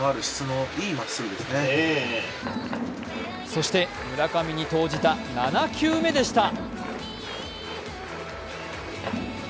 そして村上に投じた７球目でした。